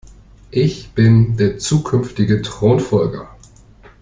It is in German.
Ich bin der zukünftige Thronfolger.